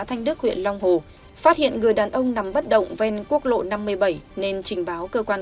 thanh đức huyện long hồ phát hiện người đàn ông nằm bất động ven quốc lộ năm mươi bảy nên trình báo cơ quan